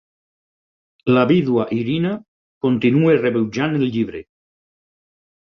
La vídua Irina continua rebutjant el llibre.